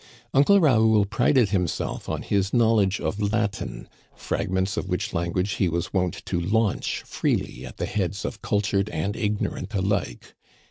Uncle Raoul prided himself on his knowledge of Latin, fragments of which language he was wont to launch freely at the heads of cultured and ignorant alike.